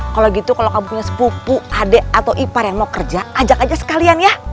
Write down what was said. kalau gitu kalau kamu punya sepupu adik atau ipar yang mau kerja ajak aja sekalian ya